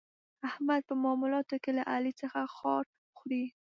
احمد په معاملاتو کې له علي څخه خار خوري.